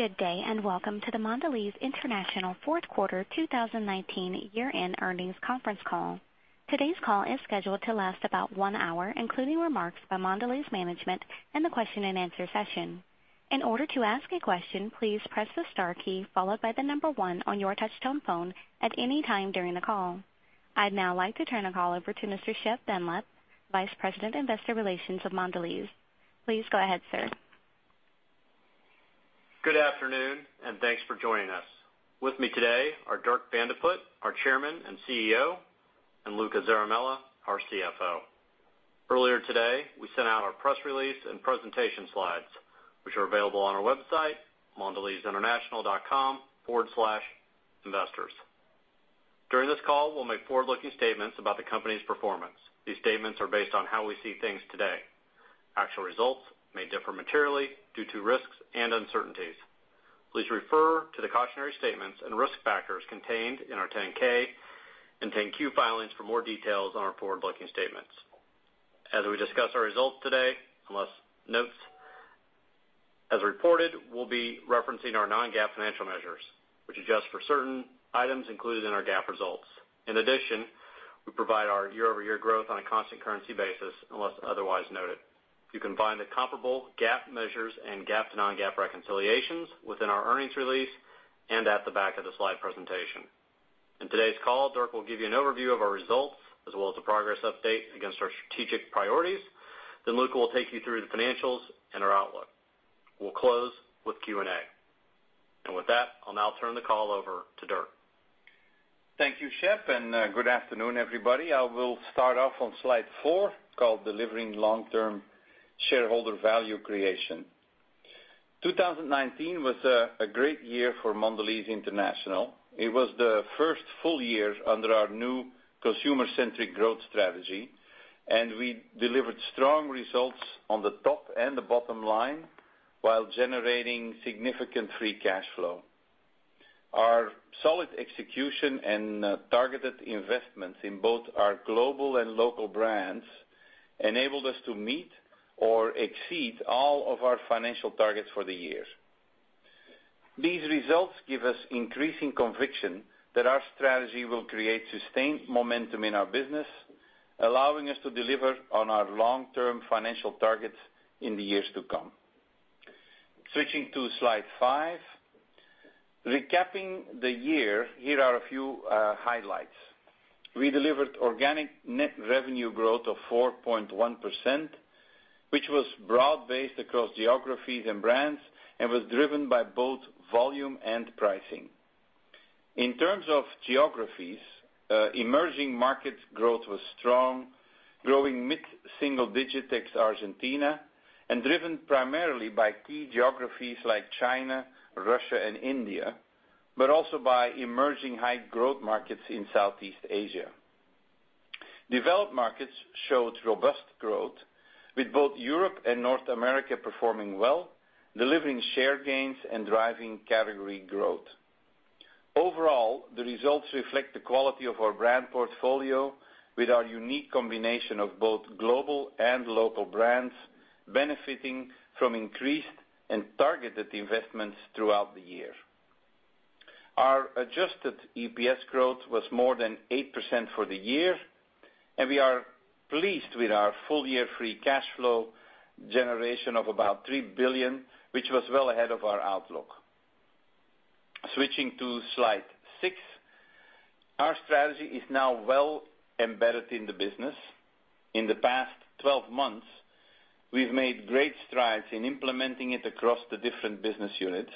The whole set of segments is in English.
Good day. Welcome to the Mondelez International fourth quarter 2019 year-end earnings conference call. Today's call is scheduled to last about one hour, including remarks by Mondelez management and the question and answer session. In order to ask a question, please press the star key followed by the number one on your touch-tone phone at any time during the call. I'd now like to turn the call over to Mr. Shep Dunlap, Vice President, Investor Relations of Mondelez. Please go ahead, sir. Good afternoon, and thanks for joining us. With me today are Dirk Van de Put, our Chairman and CEO, and Luca Zaramella, our CFO. Earlier today, we sent out our press release and presentation slides, which are available on our website, mondelezinternational.com/investors. During this call, we'll make forward-looking statements about the company's performance. These statements are based on how we see things today. Actual results may differ materially due to risks and uncertainties. Please refer to the cautionary statements and risk factors contained in our 10-K and 10-Q filings for more details on our forward-looking statements. As we discuss our results today, unless noted, as reported, we'll be referencing our non-GAAP financial measures, which adjust for certain items included in our GAAP results. In addition, we provide our year-over-year growth on a constant currency basis, unless otherwise noted. You can find the comparable GAAP measures and GAAP to non-GAAP reconciliations within our earnings release and at the back of the slide presentation. In today's call, Dirk will give you an overview of our results as well as a progress update against our strategic priorities. Luca will take you through the financials and our outlook. We'll close with Q&A. With that, I'll now turn the call over to Dirk. Thank you, Shep, and good afternoon, everybody. I will start off on slide four, called Delivering Long-Term Shareholder Value Creation. 2019 was a great year for Mondelez International. It was the first full year under our new consumer-centric growth strategy, and we delivered strong results on the top and the bottom line while generating significant free cash flow. Our solid execution and targeted investments in both our global and local brands enabled us to meet or exceed all of our financial targets for the year. These results give us increasing conviction that our strategy will create sustained momentum in our business, allowing us to deliver on our long-term financial targets in the years to come. Switching to slide five. Recapping the year, here are a few highlights. We delivered organic net revenue growth of 4.1%, which was broad-based across geographies and brands and was driven by both volume and pricing. In terms of geographies, emerging markets growth was strong, growing mid-single digits ex Argentina, and driven primarily by key geographies like China, Russia, and India, but also by emerging high growth markets in Southeast Asia. Developed markets showed robust growth, with both Europe and North America performing well, delivering share gains, and driving category growth. Overall, the results reflect the quality of our brand portfolio with our unique combination of both global and local brands benefiting from increased and targeted investments throughout the year. Our adjusted EPS growth was more than 8% for the year, and we are pleased with our full-year free cash flow generation of about $3 billion, which was well ahead of our outlook. Switching to slide six. Our strategy is now well embedded in the business. In the past 12 months, we've made great strides in implementing it across the different business units.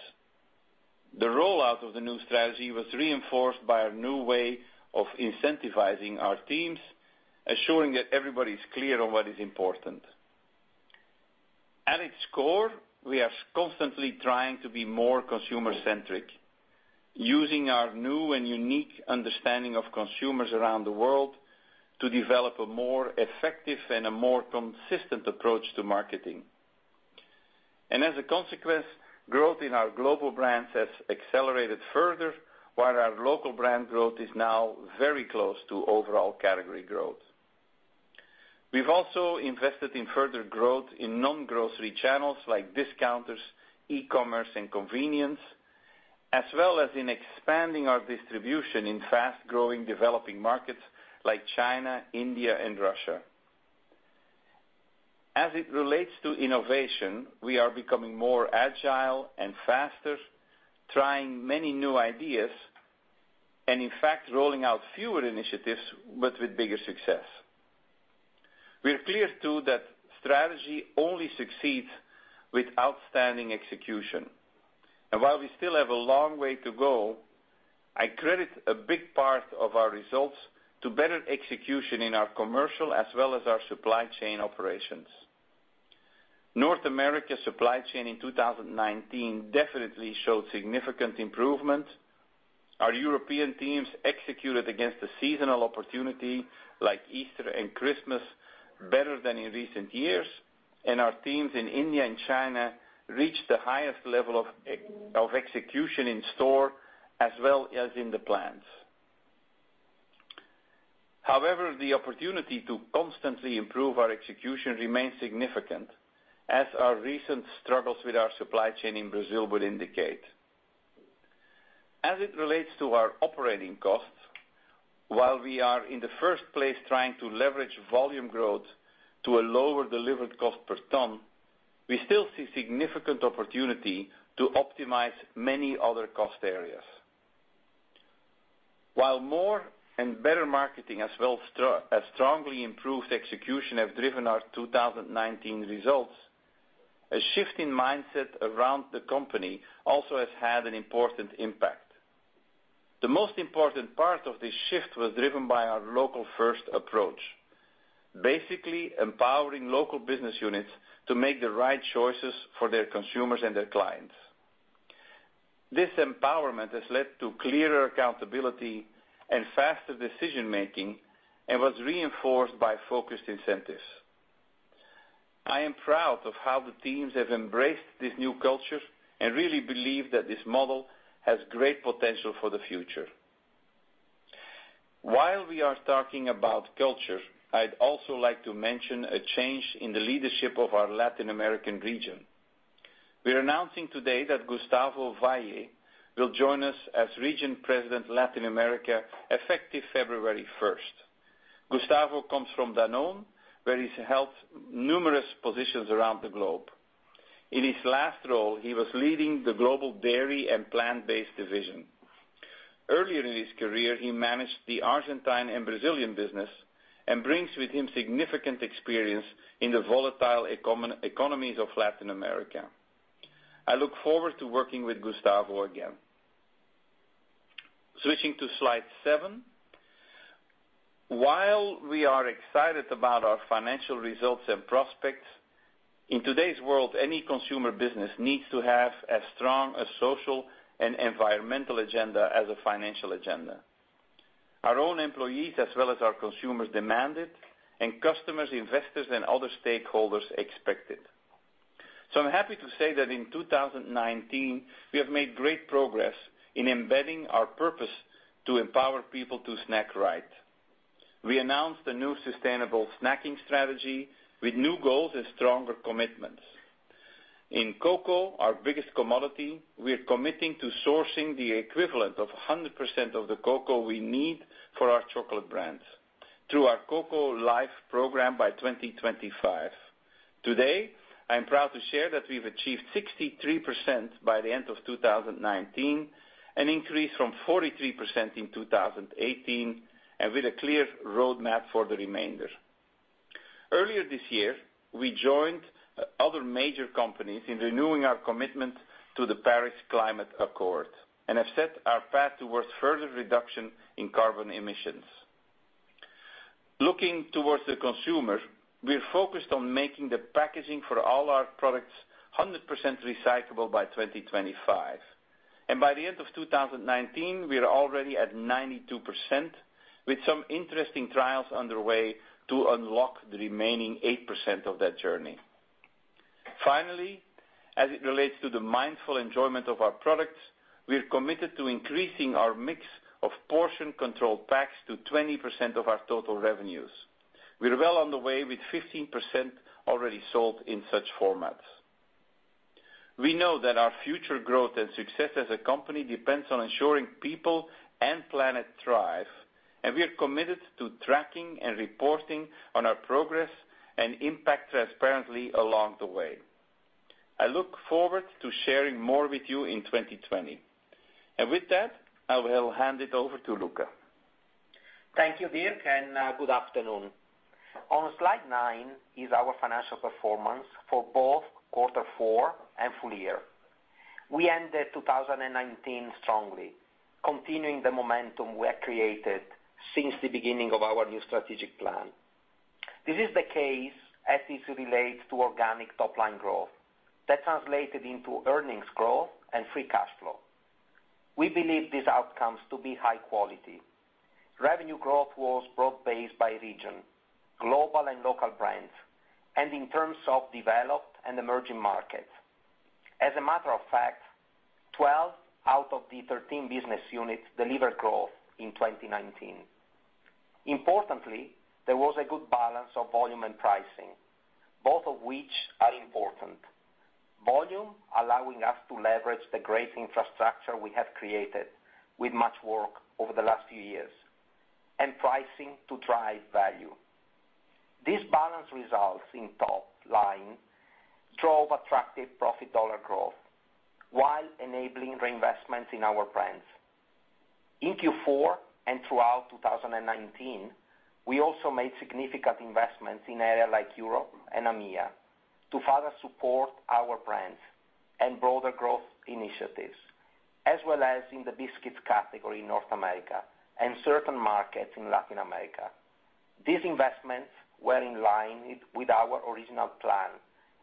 The rollout of the new strategy was reinforced by our new way of incentivizing our teams, assuring that everybody's clear on what is important. At its core, we are constantly trying to be more consumer-centric, using our new and unique understanding of consumers around the world to develop a more effective and a more consistent approach to marketing. As a consequence, growth in our global brands has accelerated further, while our local brand growth is now very close to overall category growth. We've also invested in further growth in non-grocery channels like discounters, e-commerce, and convenience, as well as in expanding our distribution in fast-growing developing markets like China, India, and Russia. As it relates to innovation, we are becoming more agile and faster, trying many new ideas, and in fact, rolling out fewer initiatives, but with bigger success. We are clear, too, that strategy only succeeds with outstanding execution. While we still have a long way to go, I credit a big part of our results to better execution in our commercial as well as our supply chain operations. North America supply chain in 2019 definitely showed significant improvement. Our European teams executed against the seasonal opportunity like Easter and Christmas better than in recent years, and our teams in India and China reached the highest level of execution in store as well as in the plans. However, the opportunity to constantly improve our execution remains significant, as our recent struggles with our supply chain in Brazil would indicate. As it relates to our operating costs, while we are in the first place trying to leverage volume growth to a lower delivered cost per ton, we still see significant opportunity to optimize many other cost areas. While more and better marketing as well as strongly improved execution have driven our 2019 results, a shift in mindset around the company also has had an important impact. The most important part of this shift was driven by our local first approach. Basically empowering local business units to make the right choices for their consumers and their clients. This empowerment has led to clearer accountability and faster decision-making and was reinforced by focused incentives. I am proud of how the teams have embraced this new culture and really believe that this model has great potential for the future. While we are talking about culture, I'd also like to mention a change in the leadership of our Latin American region. We are announcing today that Gustavo Valle will join us as Region President, Latin America, effective February 1st. Gustavo comes from Danone, where he's held numerous positions around the globe. In his last role, he was leading the global dairy and plant-based division. Earlier in his career, he managed the Argentine and Brazilian business and brings with him significant experience in the volatile economies of Latin America. I look forward to working with Gustavo again. Switching to slide seven. While we are excited about our financial results and prospects, in today's world, any consumer business needs to have as strong a social and environmental agenda as a financial agenda. Our own employees, as well as our consumers, demand it, and customers, investors, and other stakeholders expect it. I'm happy to say that in 2019, we have made great progress in embedding our purpose to empower people to snack right. We announced a new sustainable snacking strategy with new goals and stronger commitments. In cocoa, our biggest commodity, we are committing to sourcing the equivalent of 100% of the cocoa we need for our chocolate brands through our Cocoa Life program by 2025. Today, I'm proud to share that we've achieved 63% by the end of 2019, an increase from 43% in 2018, and with a clear roadmap for the remainder. Earlier this year, we joined other major companies in renewing our commitment to the Paris Climate Accord and have set our path towards further reduction in carbon emissions. Looking towards the consumer, we are focused on making the packaging for all our products 100% recyclable by 2025. By the end of 2019, we are already at 92%, with some interesting trials underway to unlock the remaining 8% of that journey. Finally, as it relates to the mindful enjoyment of our products, we are committed to increasing our mix of portion control packs to 20% of our total revenues. We are well on the way, with 15% already sold in such formats. We know that our future growth and success as a company depends on ensuring people and planet thrive, and we are committed to tracking and reporting on our progress and impact transparently along the way. I look forward to sharing more with you in 2020. With that, I will hand it over to Luca. Thank you, Dirk. Good afternoon. On slide nine is our financial performance for both quarter four and full year. We ended 2019 strongly, continuing the momentum we have created since the beginning of our new strategic plan. This is the case as it relates to organic top-line growth that translated into earnings growth and free cash flow. We believe these outcomes to be high quality. Revenue growth was broad-based by region, global and local brands, and in terms of developed and emerging markets. As a matter of fact, 12 out of the 13 business units delivered growth in 2019. Importantly, there was a good balance of volume and pricing, both of which are important. Volume allowing us to leverage the great infrastructure we have created with much work over the last few years, and pricing to drive value. These balance results in top line drove attractive profit dollar growth while enabling reinvestments in our brands. In Q4 and throughout 2019, we also made significant investments in areas like Europe and AMEA to further support our brands and broader growth initiatives, as well as in the biscuits category in North America and certain markets in Latin America. These investments were in line with our original plan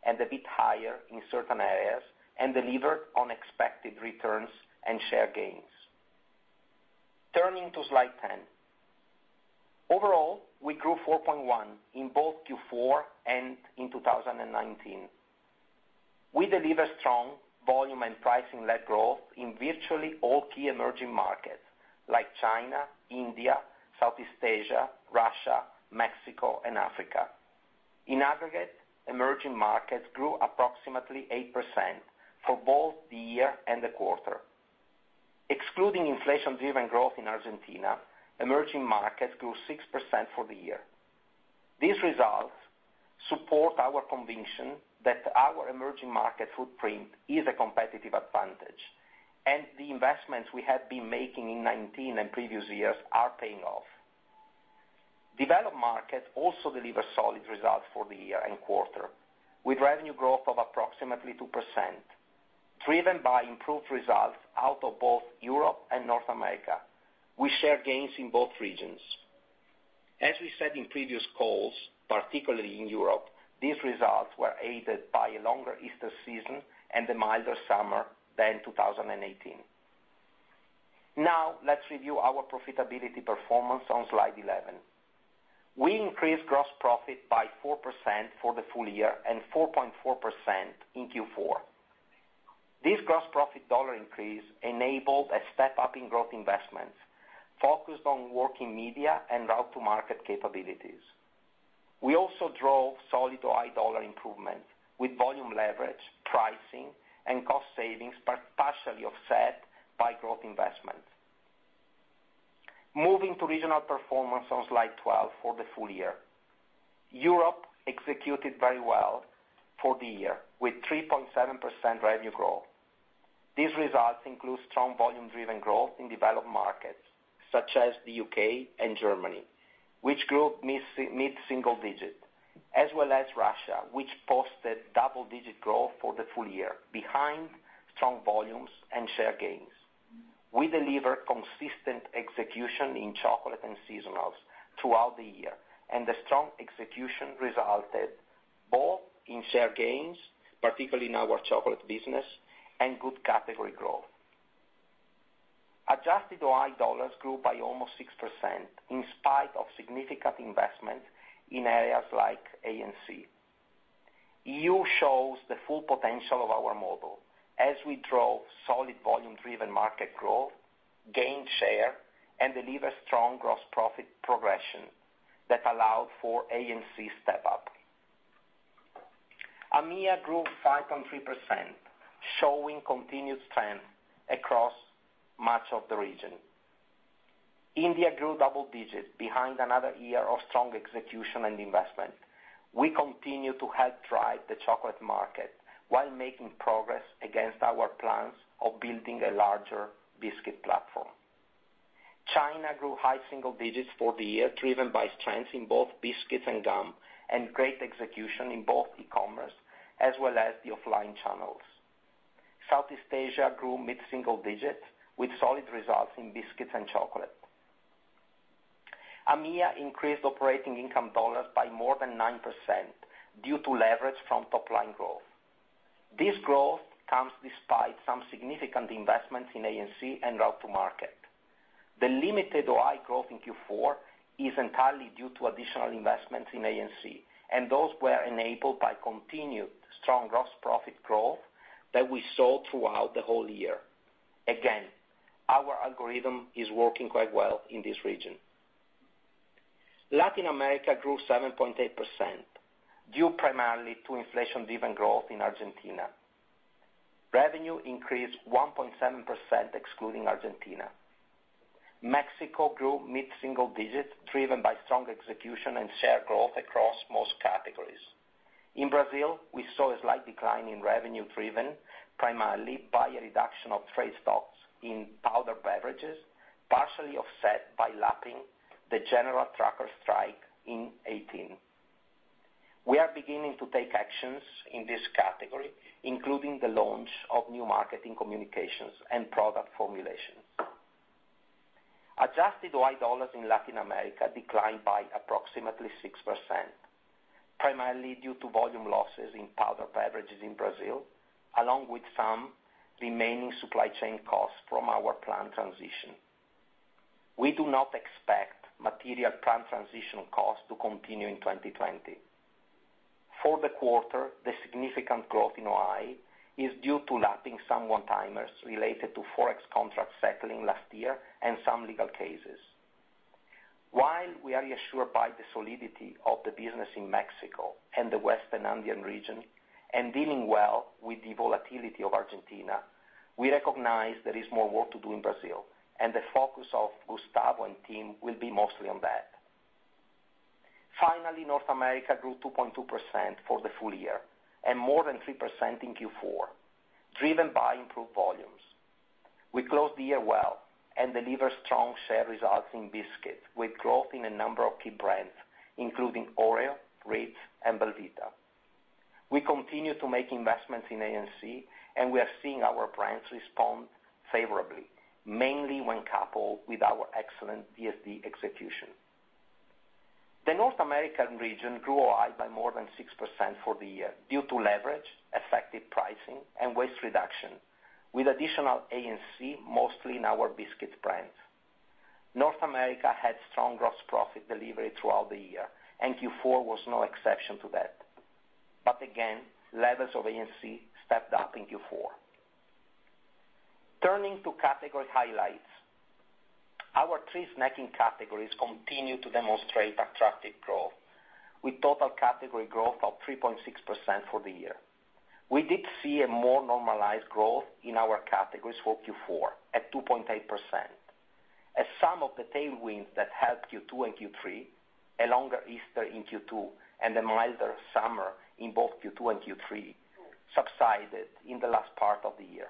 and a bit higher in certain areas and delivered on expected returns and share gains. Turning to slide 10. Overall, we grew 4.1% in both Q4 and in 2019. We deliver strong volume and pricing-led growth in virtually all key emerging markets like China, India, Southeast Asia, Russia, Mexico, and Africa. In aggregate, emerging markets grew approximately 8% for both the year and the quarter. Excluding inflation-driven growth in Argentina, emerging markets grew 6% for the year. These results support our conviction that our emerging market footprint is a competitive advantage, and the investments we have been making in 2019 and previous years are paying off. Developed markets also deliver solid results for the year and quarter, with revenue growth of approximately 2%, driven by improved results out of both Europe and North America. We share gains in both regions. As we said in previous calls, particularly in Europe, these results were aided by a longer Easter season and a milder summer than 2018. Let's review our profitability performance on slide 11. We increased gross profit by 4% for the full year and 4.4% in Q4. This gross profit dollar increase enabled a step-up in growth investments focused on working media and route to market capabilities. We also drove solid OI dollar improvement with volume leverage, pricing, and cost savings, but partially offset by growth investments. Moving to regional performance on slide 12 for the full year. Europe executed very well for the year with 3.7% revenue growth. These results include strong volume-driven growth in developed markets such as the U.K. and Germany, which grew mid-single digit, as well as Russia, which posted double-digit growth for the full year behind strong volumes and share gains. We delivered consistent execution in chocolate and seasonals throughout the year, and the strong execution resulted both in share gains, particularly in our chocolate business, and good category growth. Adjusted OI $ grew by almost 6%, in spite of significant investment in areas like A&C. Europe shows the full potential of our model as we drove solid volume-driven market growth, gained share, and deliver strong gross profit progression that allowed for A&C step-up. AMEA grew 5.3%, showing continued strength across much of the region. India grew double digits behind another year of strong execution and investment. We continue to help drive the chocolate market while making progress against our plans of building a larger biscuit platform. China grew high single digits for the year, driven by strength in both biscuits and gum, and great execution in both e-commerce as well as the offline channels. Southeast Asia grew mid-single digits with solid results in biscuits and chocolate. AMEA increased operating income dollars by more than 9% due to leverage from top-line growth. This growth comes despite some significant investments in A&C and route to market. The limited OI growth in Q4 is entirely due to additional investments in A&C. Those were enabled by continued strong gross profit growth that we saw throughout the whole year. Again, our algorithm is working quite well in this region. Latin America grew 7.8%, due primarily to inflation-driven growth in Argentina. Revenue increased 1.7% excluding Argentina. Mexico grew mid-single digits, driven by strong execution and share growth across most categories. In Brazil, we saw a slight decline in revenue, driven primarily by a reduction of trade stocks in powdered beverages, partially offset by lapping the general trucker strike in 2018. We are beginning to take actions in this category, including the launch of new marketing communications and product formulations. Adjusted OI dollars in Latin America declined by approximately 6%, primarily due to volume losses in powdered beverages in Brazil, along with some remaining supply chain costs from our plant transition. We do not expect material plant transition costs to continue in 2020. For the quarter, the significant growth in OI is due to lapping some one-timers related to Forex contract settling last year and some legal cases. While we are reassured by the solidity of the business in Mexico and the Western Andean region and dealing well with the volatility of Argentina, we recognize there is more work to do in Brazil, and the focus of Gustavo and team will be mostly on that. North America grew 2.2% for the full year and more than 3% in Q4, driven by improved volumes. We closed the year well and delivered strong share results in biscuits, with growth in a number of key brands, including Oreo, Ritz, and belVita. We continue to make investments in A&C, and we are seeing our brands respond favorably, mainly when coupled with our excellent DSD execution. The North American region grew OI by more than 6% for the year due to leverage, effective pricing, and waste reduction, with additional A&C mostly in our biscuit brands. North America had strong gross profit delivery throughout the year. Q4 was no exception to that. Again, levels of A&C stepped up in Q4. Turning to category highlights. Our three snacking categories continue to demonstrate attractive growth, with total category growth of 3.6% for the year. We did see a more normalized growth in our categories for Q4 at 2.8%, as some of the tailwinds that helped Q2 and Q3, a longer Easter in Q2 and a milder summer in both Q2 and Q3 subsided in the last part of the year.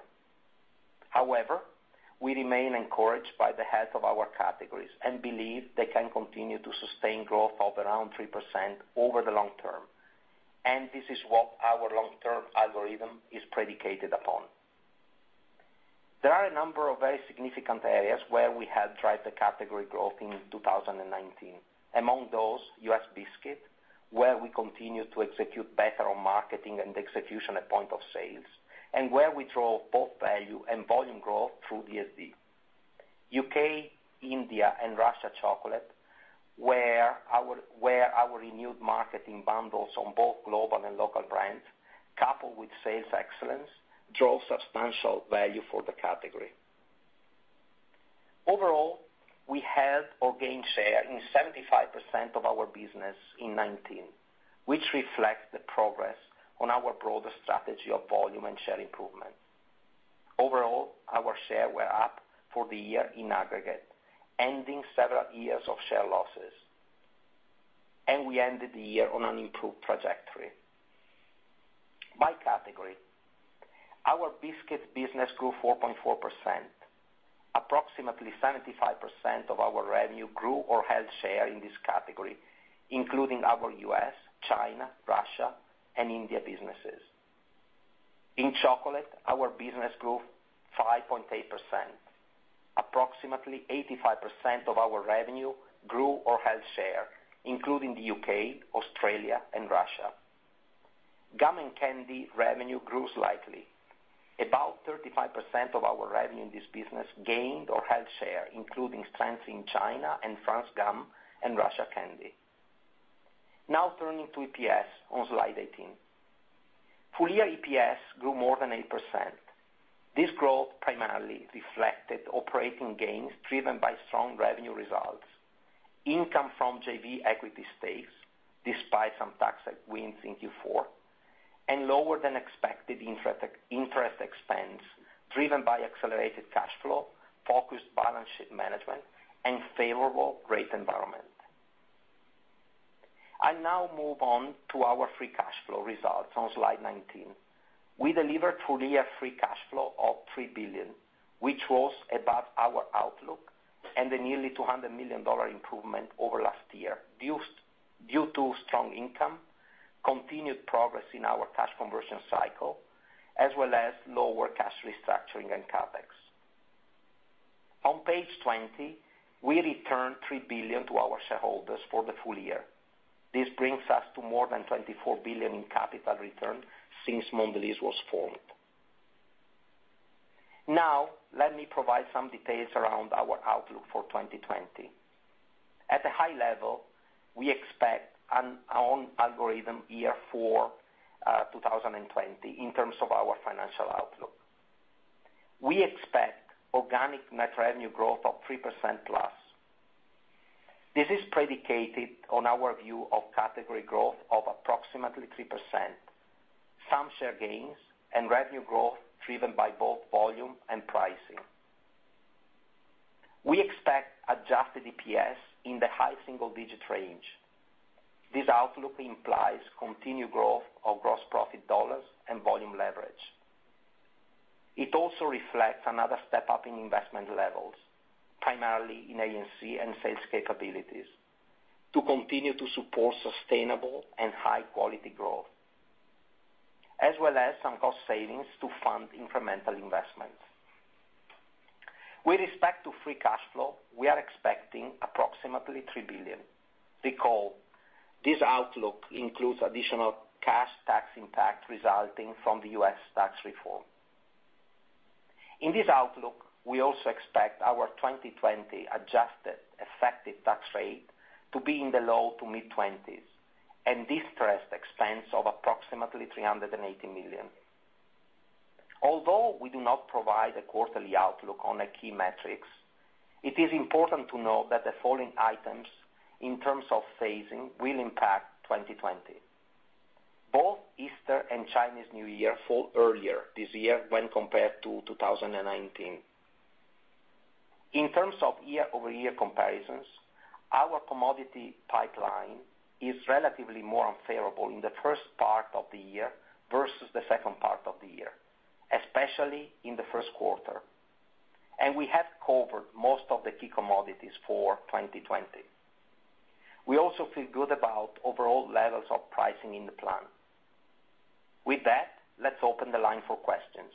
We remain encouraged by the health of our categories and believe they can continue to sustain growth of around 3% over the long term. This is what our long-term algorithm is predicated upon. There are a number of very significant areas where we have driven the category growth in 2019. Among those, U.S. biscuit, where we continue to execute better on marketing and execution at point of sales. We drove both value and volume growth through DSD. U.K., India, and Russia chocolate, where our renewed marketing bundles on both global and local brands, coupled with sales excellence, drove substantial value for the category. We had our gain share in 75% of our business in 2019, which reflects the progress on our broader strategy of volume and share improvement. Overall, our share were up for the year in aggregate, ending several years of share losses. We ended the year on an improved trajectory. By category, our biscuit business grew 4.4%. Approximately 75% of our revenue grew or held share in this category, including our U.S., China, Russia, and India businesses. In chocolate, our business grew 5.8%. Approximately 85% of our revenue grew or held share, including the U.K., Australia and Russia. Gum and candy revenue grew slightly. About 35% of our revenue in this business gained or held share, including strengths in China and France gum and Russia candy. Turning to EPS on slide 18. Full year EPS grew more than 8%. This growth primarily reflected operating gains driven by strong revenue results, income from JV equity stakes, despite some tax headwinds in Q4, and lower than expected interest expense driven by accelerated cash flow, focused balance sheet management, and favorable rate environment. I now move on to our free cash flow results on slide 19. We delivered full year free cash flow of $3 billion, which was above our outlook and a nearly $200 million improvement over last year due to strong income, continued progress in our cash conversion cycle, as well as lower cash restructuring and CapEx. On page 20, we returned $3 billion to our shareholders for the full year. This brings us to more than $24 billion in capital return since Mondelez was formed. Let me provide some details around our outlook for 2020. At a high level, we expect our own algorithm year for 2020 in terms of our financial outlook. We expect organic net revenue growth of 3% plus. This is predicated on our view of category growth of approximately 3%, some share gains, and revenue growth driven by both volume and pricing. We expect adjusted EPS in the high single-digit range. This outlook implies continued growth of gross profit dollars and volume leverage. It also reflects another step up in investment levels, primarily in A&C and sales capabilities, to continue to support sustainable and high-quality growth, as well as some cost savings to fund incremental investments. With respect to free cash flow, we are expecting approximately $3 billion. Recall, this outlook includes additional cash tax impact resulting from the U.S. tax reform. In this outlook, we also expect our 2020 adjusted effective tax rate to be in the low to mid-20s, and interest expense of approximately $380 million. Although we do not provide a quarterly outlook on the key metrics, it is important to note that the following items in terms of phasing will impact 2020. Both Easter and Chinese New Year fall earlier this year when compared to 2019. In terms of year-over-year comparisons, our commodity pipeline is relatively more unfavorable in the first part of the year versus the second part of the year, especially in the first quarter. We have covered most of the key commodities for 2020. We also feel good about overall levels of pricing in the plan. With that, let's open the line for questions.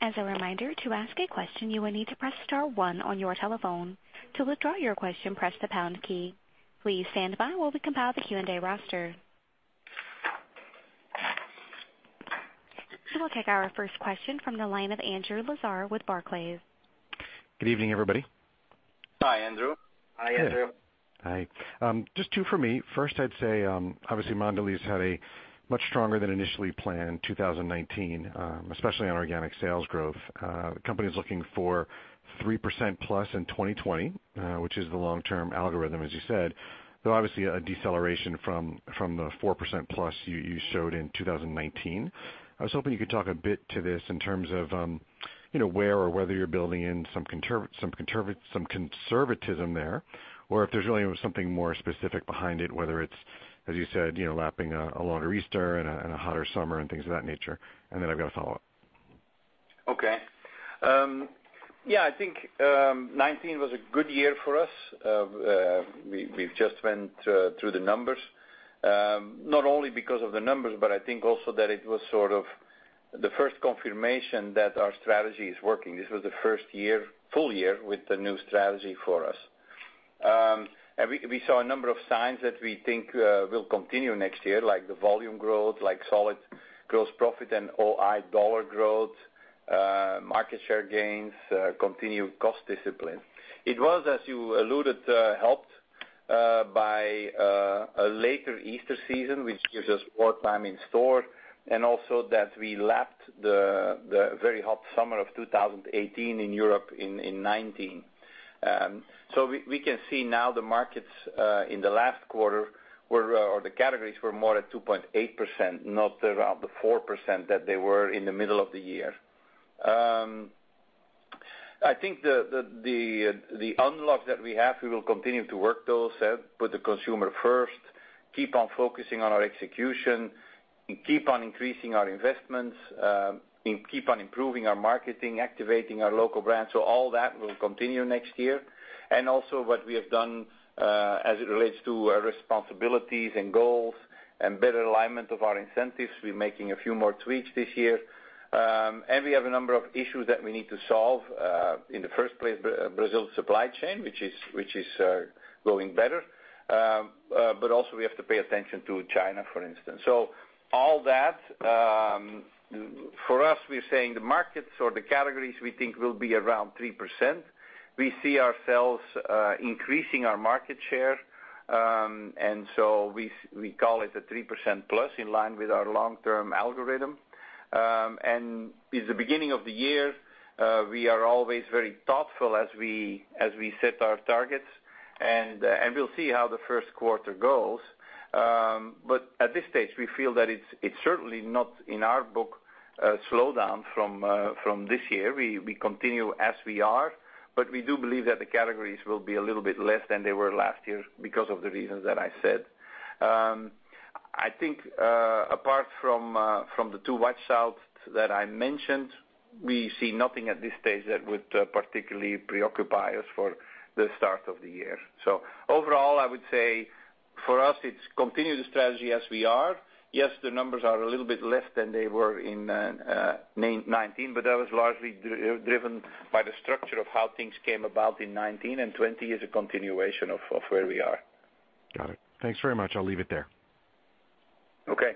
As a reminder, to ask a question, you will need to press star 1 on your telephone. To withdraw your question, press the pound key. Please stand by while we compile the Q&A roster. We'll take our first question from the line of Andrew Lazar with Barclays. Good evening, everybody. Hi, Andrew. Hi, Andrew. Hi. Just two for me. First, I'd say, obviously Mondelez had a much stronger than initially planned 2019, especially on organic sales growth. The company is looking for 3%+ in 2020, which is the long-term algorithm, as you said, though obviously a deceleration from the 4%+ you showed in 2019. I was hoping you could talk a bit to this in terms of where or whether you're building in some conservatism there, or if there's really something more specific behind it, whether it's, as you said, lapping a longer Easter and a hotter summer and things of that nature. I've got a follow-up. Okay. Yeah, I think 2019 was a good year for us. We've just went through the numbers. Not only because of the numbers, but I think also that it was sort of the first confirmation that our strategy is working. This was the first full year with the new strategy for us. We saw a number of signs that we think will continue next year, like the volume growth, like solid gross profit and OI dollar growth, market share gains, continued cost discipline. It was, as you alluded, helped by a later Easter season, which gives us more time in store, and also that we lapped the very hot summer of 2018 in Europe in 2019. We can see now the markets in the last quarter, or the categories, were more at 2.8%, not around the 4% that they were in the middle of the year. I think the unlock that we have, we will continue to work those, put the consumer first, keep on focusing on our execution, keep on increasing our investments, keep on improving our marketing, activating our local brands. All that will continue next year. Also what we have done, as it relates to responsibilities and goals and better alignment of our incentives, we're making a few more tweaks this year. We have a number of issues that we need to solve. In the first place, Brazil supply chain, which is going better. Also we have to pay attention to China, for instance. All that, for us, we're saying the markets or the categories we think will be around 3%. We see ourselves increasing our market share, and so we call it a 3% plus in line with our long-term algorithm. It's the beginning of the year. We are always very thoughtful as we set our targets, and we'll see how the first quarter goes. At this stage, we feel that it's certainly not, in our book, a slowdown from this year. We continue as we are, but we do believe that the categories will be a little bit less than they were last year because of the reasons that I said. I think, apart from the two watch outs that I mentioned, we see nothing at this stage that would particularly preoccupy us for the start of the year. Overall, I would say for us, it's continue the strategy as we are. The numbers are a little bit less than they were in 2019, but that was largely driven by the structure of how things came about in 2019, and 2020 is a continuation of where we are. Got it. Thanks very much. I'll leave it there. Okay.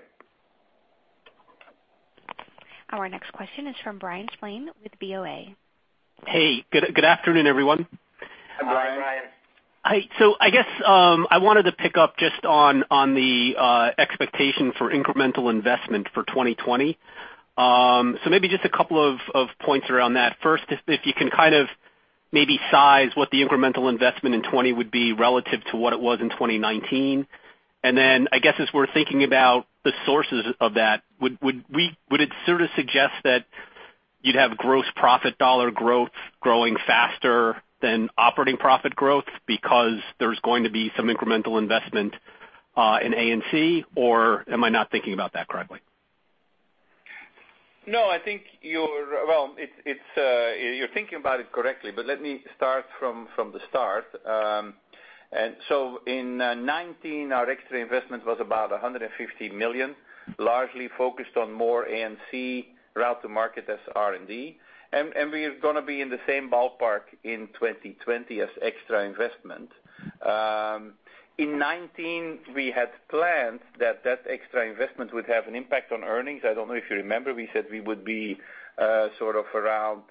Our next question is from Bryan Spillane with Bank of America. Hey, good afternoon, everyone. Hi. I guess, I wanted to pick up just on the expectation for incremental investment for 2020. Maybe just a couple of points around that. First, if you can kind of maybe size what the incremental investment in 2020 would be relative to what it was in 2019. I guess as we're thinking about the sources of that, would it sort of suggest that you'd have gross profit dollar growth growing faster than operating profit growth because there's going to be some incremental investment in A&C, or am I not thinking about that correctly? No, I think you're thinking about it correctly, but let me start from the start. In 2019, our extra investment was about $150 million, largely focused on more A&C route to market as R&D. We're going to be in the same ballpark in 2020 as extra investment. In 2019, we had planned that that extra investment would have an impact on earnings. I don't know if you remember, we said we would be sort of around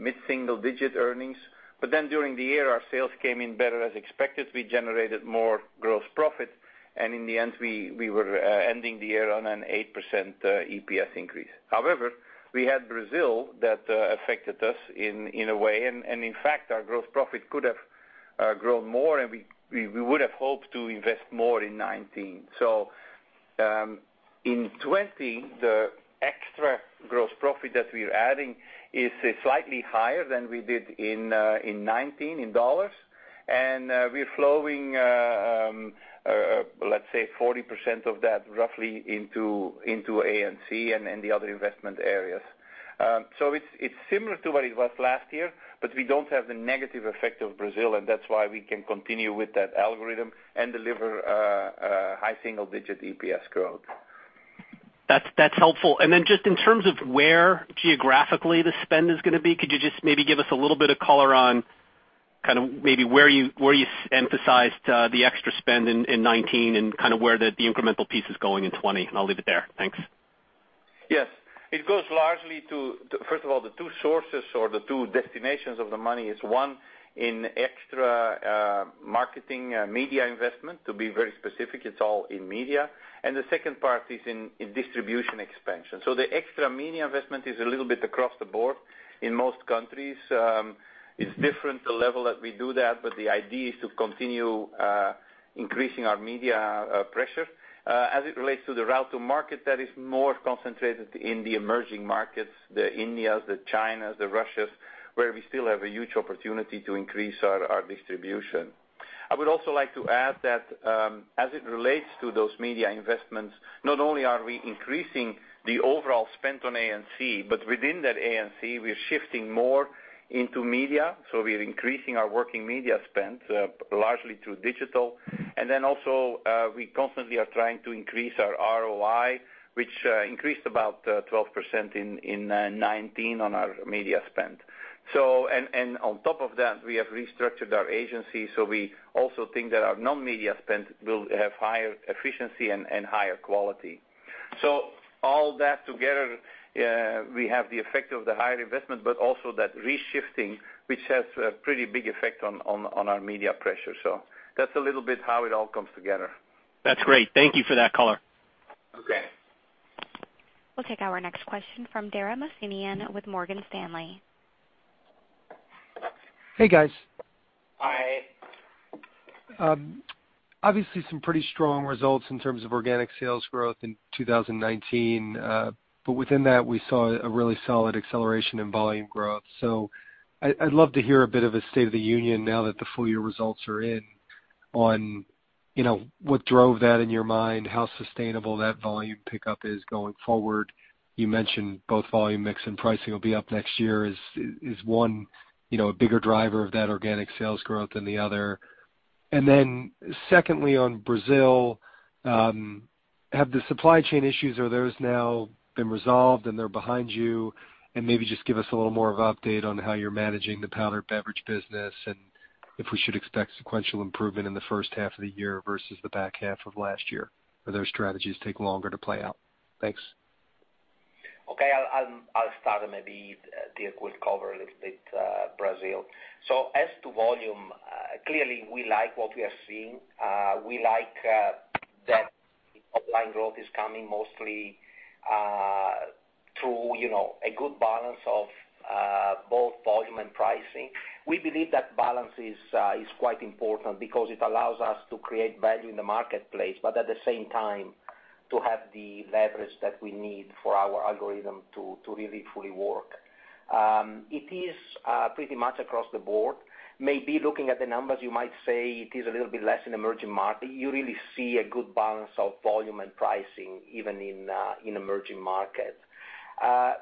mid-single digit earnings. During the year, our sales came in better as expected. We generated more gross profit, and in the end, we were ending the year on an 8% EPS increase. However, we had Brazil that affected us in a way, and in fact, our gross profit could have grown more, and we would have hoped to invest more in 2019. In 2020, the extra gross profit that we're adding is slightly higher than we did in 2019 in dollars. We're flowing, let's say, 40% of that roughly into A&C and the other investment areas. It's similar to what it was last year, but we don't have the negative effect of Brazil, and that's why we can continue with that algorithm and deliver a high single-digit EPS growth. That's helpful. Just in terms of where geographically the spend is going to be, could you just maybe give us a little bit of color on kind of maybe where you emphasized the extra spend in 2019 and kind of where the incremental piece is going in 2020, and I'll leave it there. Thanks. Yes. It goes largely to, first of all, the two sources or the two destinations of the money is, one, in extra marketing media investment. To be very specific, it's all in media. The second part is in distribution expansion. The extra media investment is a little bit across the board in most countries. It's different, the level that we do that, but the idea is to continue increasing our media pressure. As it relates to the route to market, that is more concentrated in the emerging markets, the Indias, the Chinas, the Russias, where we still have a huge opportunity to increase our distribution. I would also like to add that, as it relates to those media investments, not only are we increasing the overall spend on A&C, but within that A&C, we're shifting more into media. We're increasing our working media spend, largely through digital. Then also, we constantly are trying to increase our ROI, which increased about 12% in 2019 on our media spend. On top of that, we have restructured our agency, so we also think that our non-media spend will have higher efficiency and higher quality. All that together, we have the effect of the higher investment, but also that re-shifting, which has a pretty big effect on our media pressure. That's a little bit how it all comes together. That's great. Thank you for that color. Okay. We'll take our next question from Dara Mohsenian with Morgan Stanley. Hey, guys. Hi. Obviously some pretty strong results in terms of organic sales growth in 2019. Within that, we saw a really solid acceleration in volume growth. I'd love to hear a bit of a state of the union now that the full year results are in on what drove that in your mind, how sustainable that volume pickup is going forward. You mentioned both volume mix and pricing will be up next year. Is one a bigger driver of that organic sales growth than the other? Secondly, on Brazil, are the supply chain issues now been resolved and they're behind you? Maybe just give us a little more of update on how you're managing the powdered beverage business and if we should expect sequential improvement in the first half of the year versus the back half of last year. Do those strategies take longer to play out? Thanks. Okay. I'll start and maybe Dirk will cover a little bit Brazil. As to volume, clearly we like what we are seeing. We like that volume growth is coming mostly through a good balance of both volume and pricing. We believe that balance is quite important because it allows us to create value in the marketplace, but at the same time to have the leverage that we need for our algorithm to really fully work. It is pretty much across the board. Maybe looking at the numbers, you might say it is a little bit less in emerging market. You really see a good balance of volume and pricing even in emerging markets.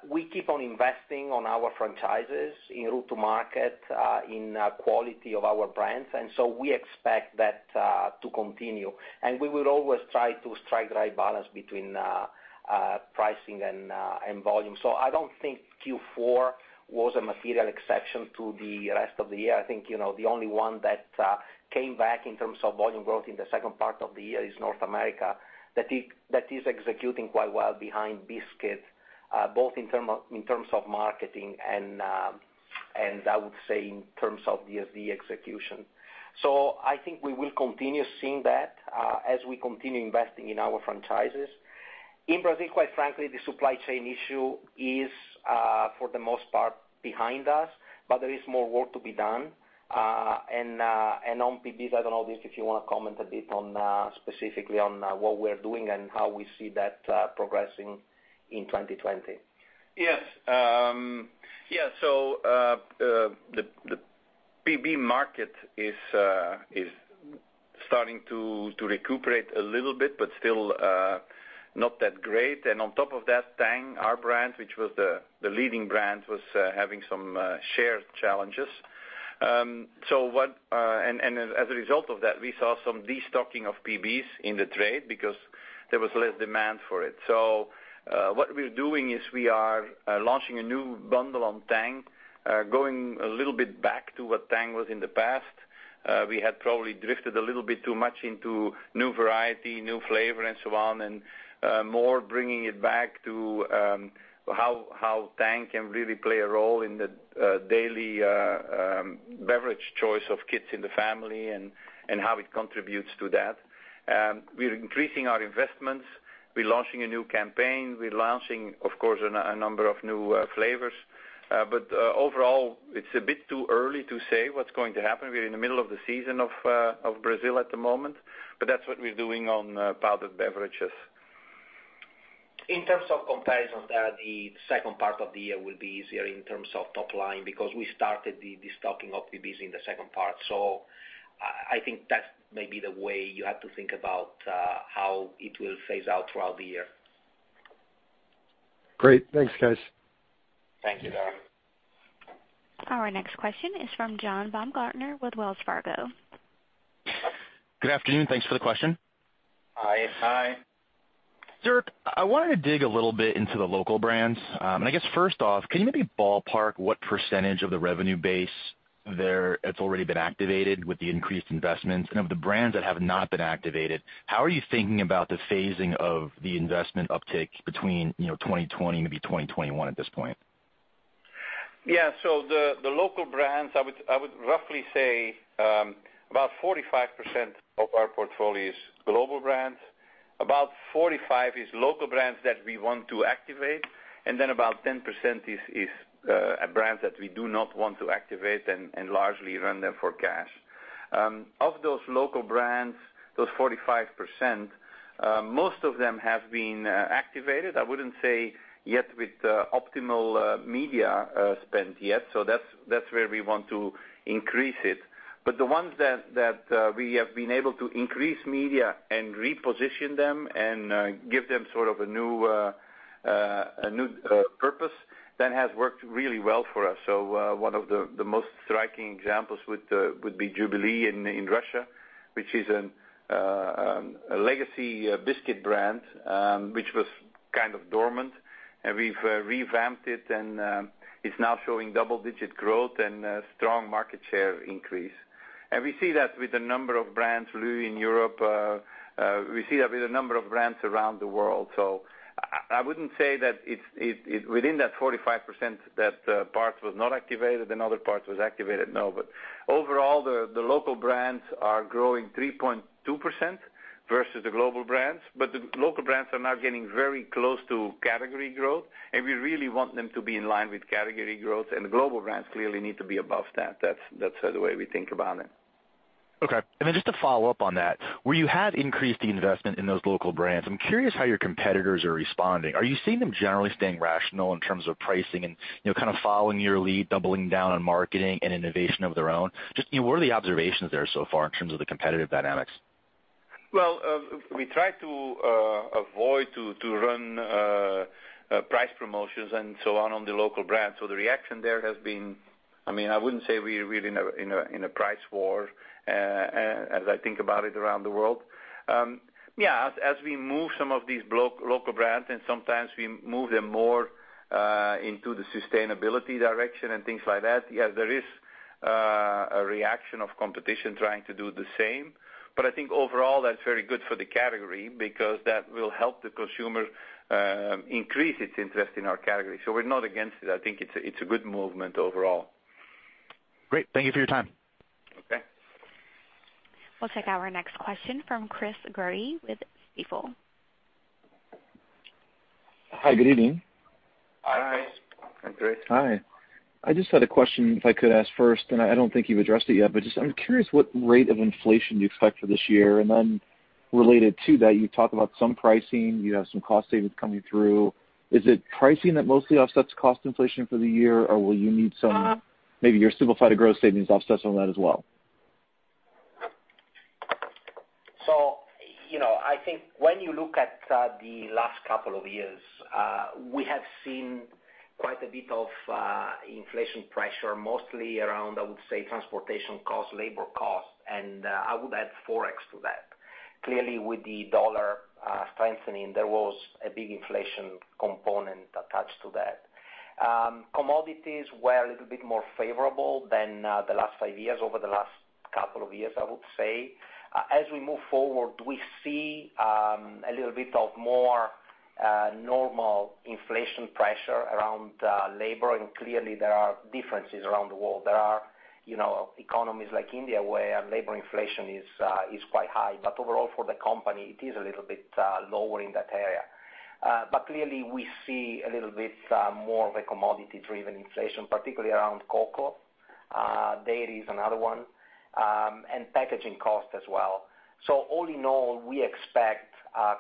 We keep on investing on our franchises in route to market, in quality of our brands. We expect that to continue. We will always try to strike the right balance between pricing and volume. I don't think Q4 was a material exception to the rest of the year. I think the only one that came back in terms of volume growth in the second part of the year is North America. That is executing quite well behind biscuits, both in terms of marketing and I would say in terms of DSD execution. I think we will continue seeing that as we continue investing in our franchises. In Brazil, quite frankly, the supply chain issue is for the most part behind us, but there is more work to be done. On PBs, I don't know, Dirk, if you want to comment a bit specifically on what we're doing and how we see that progressing in 2020. Yes. The PB market is starting to recuperate a little bit, but still not that great. On top of that, Tang, our brand, which was the leading brand, was having some share challenges. As a result of that, we saw some destocking of PBs in the trade because there was less demand for it. What we're doing is we are launching a new bundle on Tang, going a little bit back to what Tang was in the past. We had probably drifted a little bit too much into new variety, new flavor, and so on, and more bringing it back to how Tang can really play a role in the daily beverage choice of kids in the family and how it contributes to that. We're increasing our investments. We're launching a new campaign. We're launching, of course, a number of new flavors. Overall, it's a bit too early to say what's going to happen. We're in the middle of the season of Brazil at the moment. That's what we're doing on powdered beverages. In terms of comparisons, Dara, the second part of the year will be easier in terms of top line because we started the destocking of PBs in the second part. I think that may be the way you have to think about how it will phase out throughout the year. Great. Thanks, guys. Thank you, Dara. Our next question is from John Baumgartner with Wells Fargo. Good afternoon. Thanks for the question. Hi. Dirk, I wanted to dig a little bit into the local brands. I guess first off, can you maybe ballpark what % of the revenue base there that's already been activated with the increased investments? Of the brands that have not been activated, how are you thinking about the phasing of the investment uptick between 2020 maybe 2021 at this point? Yeah. The local brands, I would roughly say, about 45% of our portfolio is global brands, about 45% is local brands that we want to activate, and then about 10% is brands that we do not want to activate and largely run them for cash. Of those local brands, those 45%, most of them have been activated, I wouldn't say yet with optimal media spend yet, so that's where we want to increase it. The ones that we have been able to increase media and reposition them and give them sort of a new purpose, that has worked really well for us. One of the most striking examples would be Yubileynoe in Russia, which is a legacy biscuit brand, which was kind of dormant. We've revamped it, and it's now showing double-digit growth and a strong market share increase. We see that with a number of brands really in Europe. We see that with a number of brands around the world. I wouldn't say that within that 45% that parts was not activated and other parts was activated, no. Overall, the local brands are growing 3.2% versus the global brands, but the local brands are now getting very close to category growth, and we really want them to be in line with category growth, and the global brands clearly need to be above that. That's the way we think about it. Okay. Just to follow up on that, where you have increased the investment in those local brands, I'm curious how your competitors are responding. Are you seeing them generally staying rational in terms of pricing and kind of following your lead, doubling down on marketing and innovation of their own? What are the observations there so far in terms of the competitive dynamics? Well, we try to avoid to run price promotions and so on the local brands. The reaction there has been, I wouldn't say we're really in a price war as I think about it around the world. Yeah, as we move some of these local brands and sometimes we move them more into the sustainability direction and things like that, yes, there is a reaction of competition trying to do the same. I think overall, that's very good for the category because that will help the consumer increase its interest in our category. We're not against it. I think it's a good movement overall. Great. Thank you for your time. Okay. We'll take our next question from Chris Growe with Stifel. Hi, good evening. Hi, Chris. Hi. I just had a question, if I could ask first, and I don't think you've addressed it yet, but just I'm curious what rate of inflation you expect for this year. Related to that, you talked about some pricing, you have some cost savings coming through. Is it pricing that mostly offsets cost inflation for the year, or will you need some maybe your Simplify to Grow savings offsets on that as well? I think when you look at the last couple of years, we have seen quite a bit of inflation pressure, mostly around, I would say, transportation cost, labor cost, and I would add Forex to that. Clearly, with the dollar strengthening, there was a big inflation component attached to that. Commodities were a little bit more favorable than the last five years, over the last couple of years, I would say. We move forward, we see a little bit of more normal inflation pressure around labor, and clearly there are differences around the world. There are economies like India where labor inflation is quite high. Overall for the company, it is a little bit lower in that area. Clearly we see a little bit more of a commodity-driven inflation, particularly around cocoa. Dairy is another one, and packaging cost as well. All in all, we expect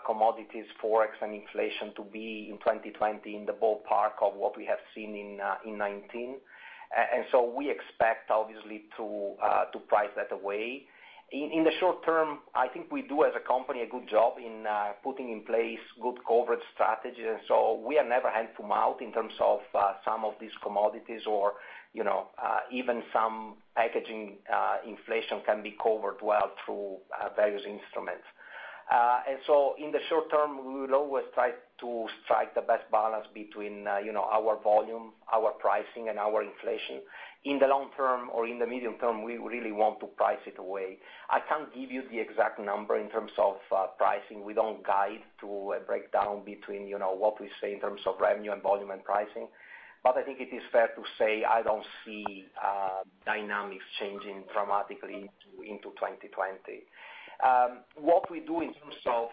commodities, Forex, and inflation to be in 2020 in the ballpark of what we have seen in 2019. We expect obviously to price that away. In the short term, I think we do as a company a good job in putting in place good coverage strategy, and so we are never hand to mouth in terms of some of these commodities or even some packaging inflation can be covered well through various instruments. In the short term, we would always try to strike the best balance between our volume, our pricing, and our inflation. In the long term or in the medium term, we really want to price it away. I can't give you the exact number in terms of pricing. We don't guide to a breakdown between what we say in terms of revenue and volume and pricing. I think it is fair to say I don't see dynamics changing dramatically into 2020. What we do in terms of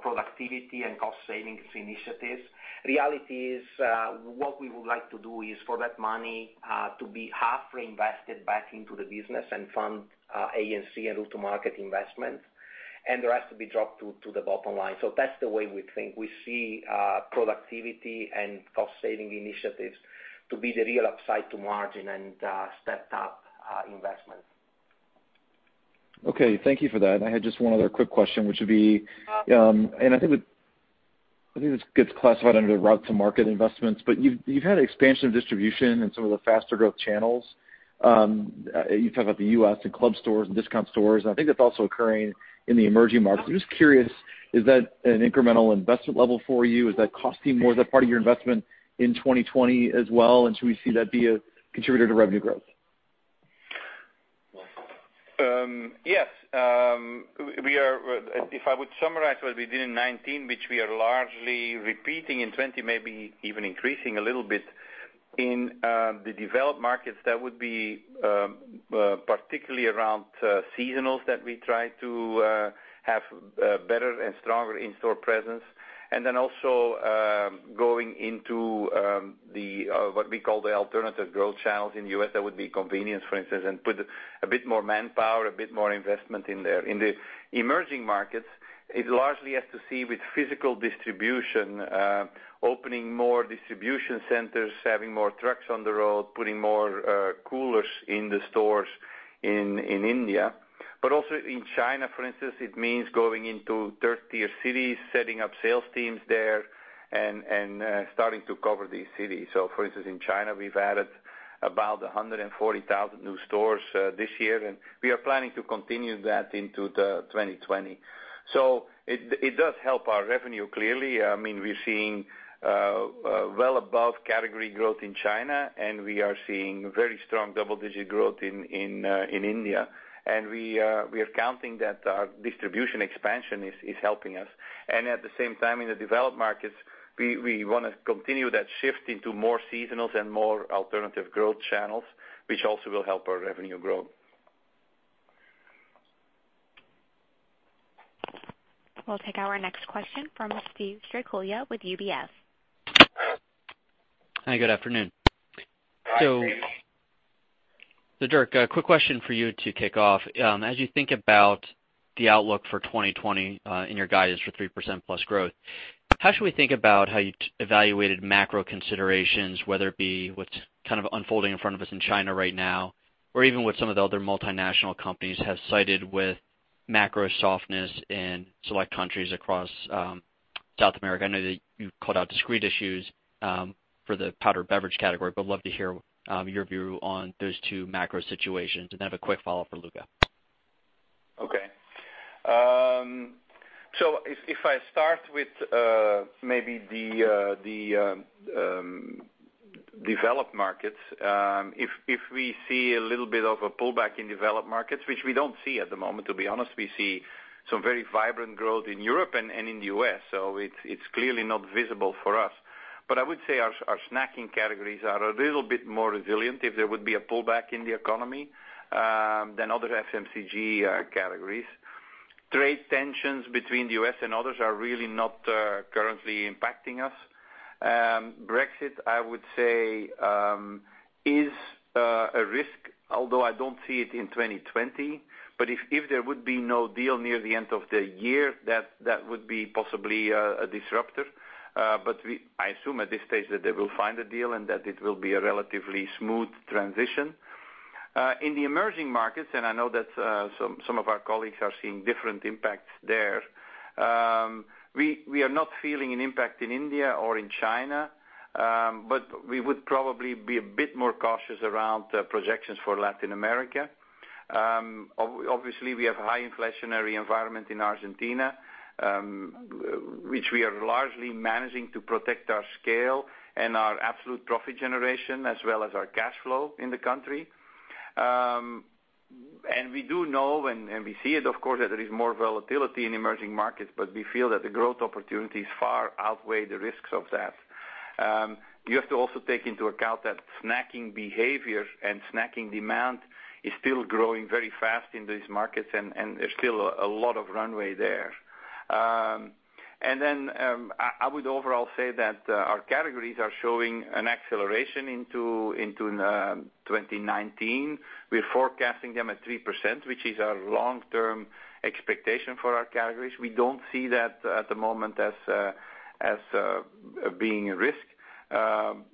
productivity and cost savings initiatives, reality is what we would like to do is for that money to be half reinvested back into the business and fund A&C and go to market investment, and the rest to be dropped to the bottom line. That's the way we think. We see productivity and cost saving initiatives to be the real upside to margin and stepped up investment. Okay, thank you for that. I had just one other quick question. I think this gets classified under the route to market investments, but you've had expansion of distribution in some of the faster growth channels. You talk about the U.S. and club stores and discount stores, and I think that's also occurring in the emerging markets. I'm just curious, is that an incremental investment level for you? Is that costing more? Is that part of your investment in 2020 as well, and should we see that be a contributor to revenue growth? Yes. If I would summarize what we did in 2019, which we are largely repeating in 2020, maybe even increasing a little bit, in the developed markets, that would be particularly around seasonals that we try to have better and stronger in-store presence. Also, going into what we call the alternative growth channels. In the U.S., that would be convenience, for instance, and put a bit more manpower, a bit more investment in there. In the emerging markets, it largely has to see with physical distribution, opening more distribution centers, having more trucks on the road, putting more coolers in the stores in India. Also in China, for instance, it means going into 3rd-tier cities, setting up sales teams there, and starting to cover these cities. For instance, in China, we've added about 140,000 new stores this year, and we are planning to continue that into 2020. It does help our revenue, clearly. We're seeing well above category growth in China, and we are seeing very strong double-digit growth in India. We are counting that our distribution expansion is helping us. At the same time, in the developed markets, we want to continue that shift into more seasonals and more alternative growth channels, which also will help our revenue growth. We'll take our next question from Steven Strycula with UBS. Hi, good afternoon. Dirk, a quick question for you to kick off. As you think about the outlook for 2020, and your guidance for 3% plus growth, how should we think about how you evaluated macro considerations, whether it be what's kind of unfolding in front of us in China right now, or even what some of the other multinational companies have cited with macro softness in select countries across South America? I know that you've called out discrete issues for the powdered beverage category, love to hear your view on those two macro situations. I have a quick follow for Luca. If I start with maybe the developed markets, if we see a little bit of a pullback in developed markets, which we don't see at the moment, to be honest. We see some very vibrant growth in Europe and in the U.S., it's clearly not visible for us. I would say our snacking categories are a little bit more resilient if there would be a pullback in the economy than other FMCG categories. Trade tensions between the U.S. and others are really not currently impacting us. Brexit, I would say, is a risk, although I don't see it in 2020. If there would be no deal near the end of the year, that would be possibly a disruptor. I assume at this stage that they will find a deal and that it will be a relatively smooth transition. In the emerging markets, I know that some of our colleagues are seeing different impacts there. We are not feeling an impact in India or in China, but we would probably be a bit more cautious around projections for Latin America. Obviously, we have a high inflationary environment in Argentina, which we are largely managing to protect our scale and our absolute profit generation, as well as our cash flow in the country. We do know, and we see it, of course, that there is more volatility in emerging markets, but we feel that the growth opportunities far outweigh the risks of that. You have to also take into account that snacking behavior and snacking demand is still growing very fast in these markets, and there's still a lot of runway there. I would overall say that our categories are showing an acceleration into 2019. We're forecasting them at 3%, which is our long-term expectation for our categories. We don't see that at the moment as being a risk,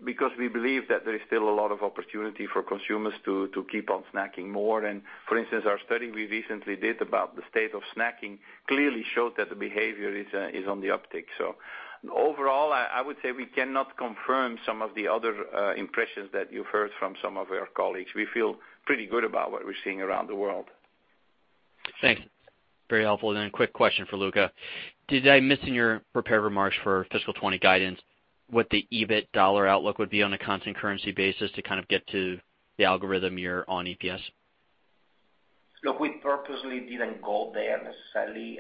because we believe that there is still a lot of opportunity for consumers to keep on snacking more. For instance, our study we recently did about the state of snacking clearly showed that the behavior is on the uptick. Overall, I would say we cannot confirm some of the other impressions that you've heard from some of our colleagues. We feel pretty good about what we're seeing around the world. Thanks. Very helpful. A quick question for Luca. Did I miss in your prepared remarks for fiscal 2020 guidance what the EBIT dollar outlook would be on a constant currency basis to kind of get to the algorithm year on EPS? Look, we purposely didn't go there necessarily.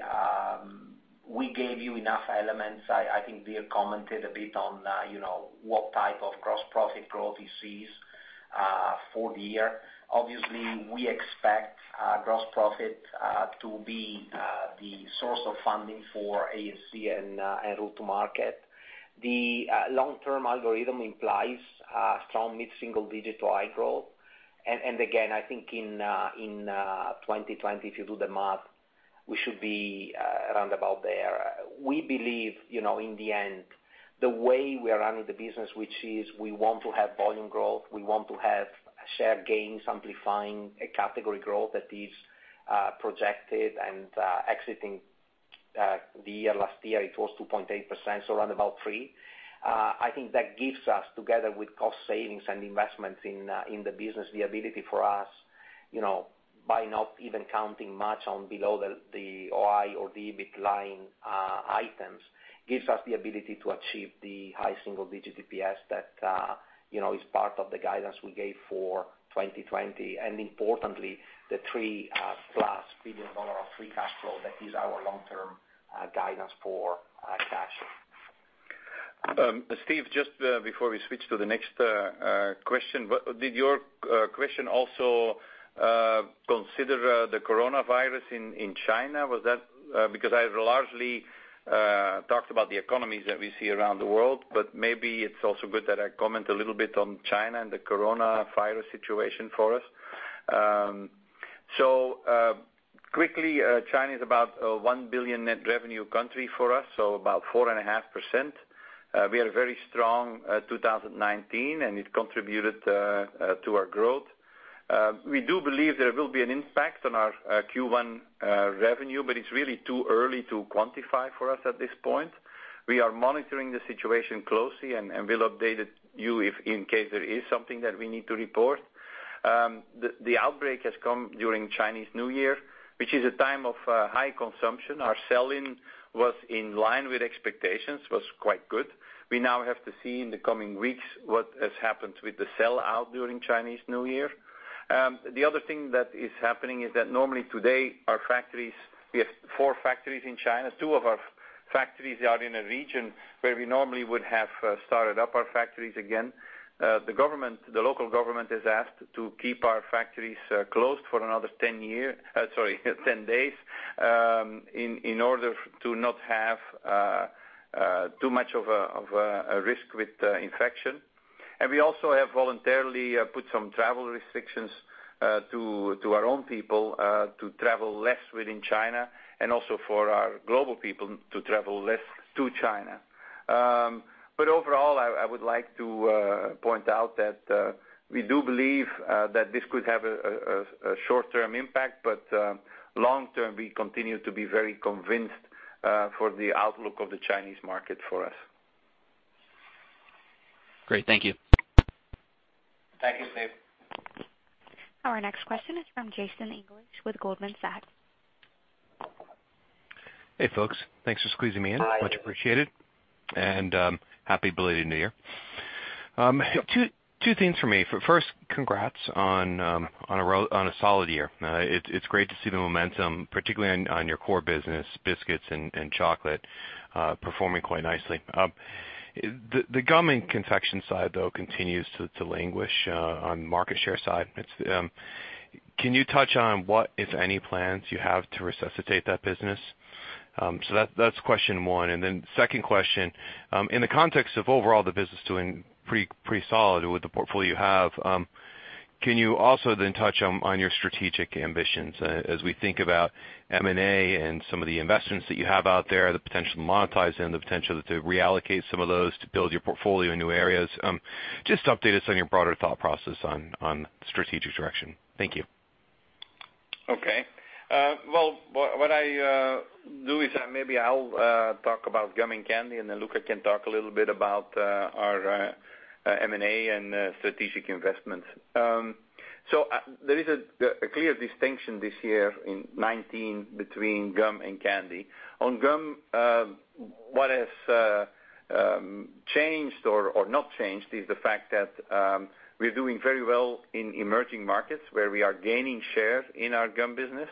We gave you enough elements. I think Dirk commented a bit on what type of gross profit growth he sees for the year. Obviously, we expect gross profit to be the source of funding for A&C and route to market. The long-term algorithm implies a strong mid-single-digit to high growth. Again, I think in 2020, if you do the math, we should be around about there. The way we are running the business, which is we want to have volume growth, we want to have share gains amplifying a category growth that is projected and exiting the year. Last year, it was 2.8%, so around about three. I think that gives us, together with cost savings and investments in the business, the ability for us, by not even counting much on below the OI or EBIT line items, gives us the ability to achieve the high single-digit DPS that is part of the guidance we gave for 2020, and importantly, the $3 plus billion dollar of free cash flow that is our long-term guidance for cash. Steven, just before we switch to the next question. Did your question also consider the coronavirus in China? I largely talked about the economies that we see around the world, but maybe it's also good that I comment a little bit on China and the coronavirus situation for us. Quickly, China is about a $1 billion net revenue country for us, so about 4.5%. We had a very strong 2019, and it contributed to our growth. We do believe there will be an impact on our Q1 revenue, but it's really too early to quantify for us at this point. We are monitoring the situation closely, and we'll update you if in case there is something that we need to report. The outbreak has come during Chinese New Year, which is a time of high consumption. Our sell-in was in line with expectations, was quite good. We now have to see in the coming weeks what has happened with the sell out during Chinese New Year. The other thing that is happening is that normally today our factories, we have four factories in China. Two of our factories are in a region where we normally would have started up our factories again. The local government has asked to keep our factories closed for another 10 days in order to not have too much of a risk with infection. We also have voluntarily put some travel restrictions to our own people to travel less within China, and also for our global people to travel less to China. Overall, I would like to point out that we do believe that this could have a short-term impact, but long term, we continue to be very convinced for the outlook of the Chinese market for us. Great. Thank you. Thank you, Steve. Our next question is from Jason English with Goldman Sachs. Hey, folks. Thanks for squeezing me in. Hi. Much appreciated, happy belated New Year. Two things for me. First, congrats on a solid year. It's great to see the momentum, particularly on your core business, biscuits and chocolate, performing quite nicely. The gum and confection side, though, continues to languish on the market share side. Can you touch on what, if any, plans you have to resuscitate that business? That's question one. Second question, in the context of overall the business doing pretty solid with the portfolio you have, can you also then touch on your strategic ambitions as we think about M&A and some of the investments that you have out there, the potential to monetize them, the potential to reallocate some of those to build your portfolio in new areas? Just update us on your broader thought process on strategic direction. Thank you. Okay. Well, what I do is maybe I'll talk about gum and candy, and then Luca can talk a little bit about our M&A and strategic investments. There is a clear distinction this year in 2019 between gum and candy. On gum, what has changed or not changed is the fact that we're doing very well in emerging markets where we are gaining share in our gum business.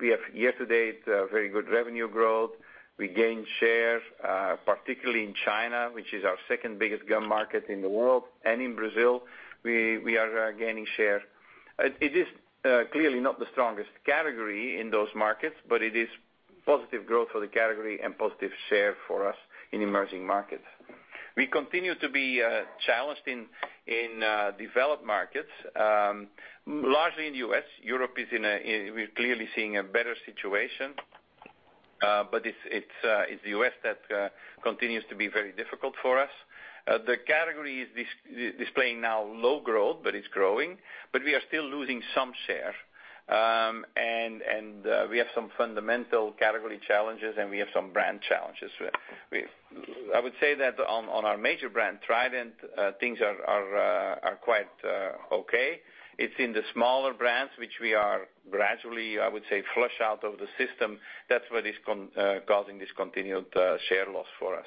We have, year to date, very good revenue growth. We gained share, particularly in China, which is our second biggest gum market in the world. In Brazil, we are gaining share. It is clearly not the strongest category in those markets, but it is positive growth for the category and positive share for us in emerging markets. We continue to be challenged in developed markets, largely in the U.S. Europe, we're clearly seeing a better situation, but it's the U.S. that continues to be very difficult for us. The category is displaying now low growth, but it's growing, but we are still losing some share. We have some fundamental category challenges, and we have some brand challenges. I would say that on our major brand, Trident, things are quite okay. It's in the smaller brands, which we are gradually, I would say, flush out of the system. That's what is causing this continued share loss for us.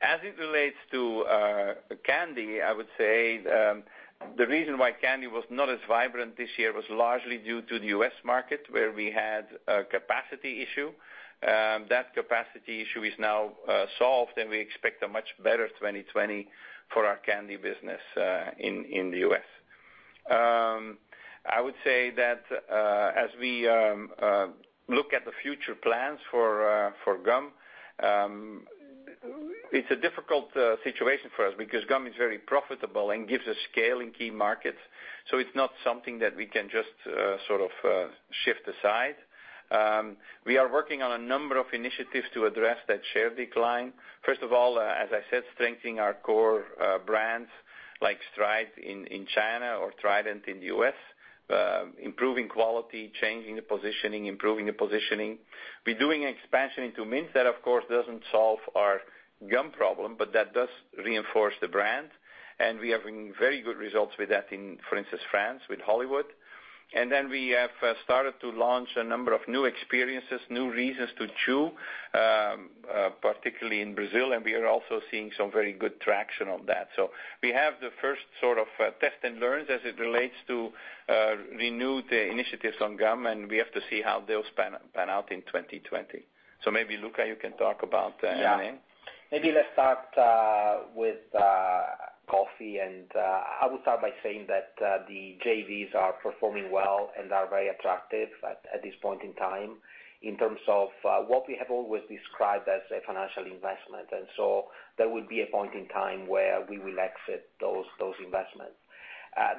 As it relates to candy, I would say the reason why candy was not as vibrant this year was largely due to the U.S. market, where we had a capacity issue. That capacity issue is now solved. We expect a much better 2020 for our candy business in the U.S. I would say that as we look at the future plans for gum, it's a difficult situation for us because gum is very profitable and gives a scale in key markets. It's not something that we can just sort of shift aside. We are working on a number of initiatives to address that share decline. First of all, as I said, strengthening our core brands like Stride in China or Trident in the U.S., improving quality, changing the positioning, improving the positioning. We're doing expansion into mints. That, of course, doesn't solve our gum problem, but that does reinforce the brand, and we are having very good results with that in, for instance, France with Hollywood. We have started to launch a number of new experiences, new reasons to chew, particularly in Brazil, and we are also seeing some very good traction on that. We have the first sort of test and learns as it relates to renewed initiatives on gum, and we have to see how they'll pan out in 2020. Maybe, Luca, you can talk about M&A. Maybe let's start with coffee, and I would start by saying that the JVs are performing well and are very attractive at this point in time in terms of what we have always described as a financial investment. There will be a point in time where we will exit those investments.